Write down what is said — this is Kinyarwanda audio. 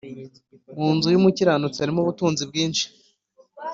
mu nzu y’umukiranutsi harimo ubutunzi bwinshi,